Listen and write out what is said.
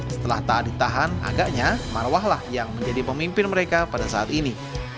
setelah taat ditahan agaknya marwah lah yang menjadi pemimpin mereka pada saat ini